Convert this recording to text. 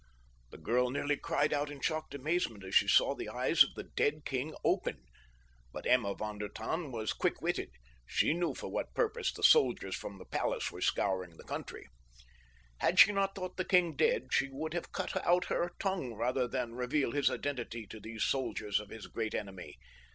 The girl nearly cried out in shocked astonishment as she saw the eyes of the dead king open. But Emma von der Tann was quick witted. She knew for what purpose the soldiers from the palace were scouring the country. Had she not thought the king dead she would have cut out her tongue rather than reveal his identity to these soldiers of his great enemy.